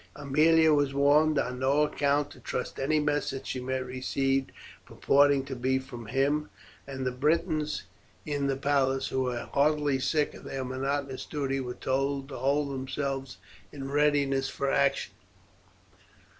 Aemilia was warned on no account to trust any message she might receive purporting to be from him, and the Britons in the palace, who were heartily sick of their monotonous duty, were told to hold themselves in readiness for action.